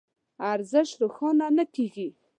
ارزش روښانه نه کېږي.